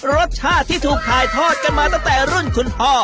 รสชาติที่ถูกถ่ายทอดกันมาตั้งแต่รุ่นคุณพ่อ